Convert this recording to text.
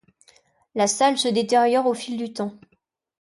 La salle se détériore au fil du temps.